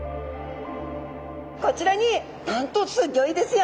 こちらになんとすギョいですよ。